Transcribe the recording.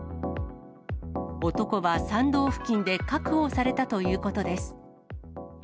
男は参道付近で確保されたということです。